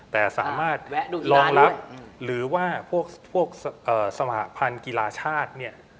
แต่สามารถรองรับหรือว่าพวกสหพันธ์กีฬาชาติเนี่ย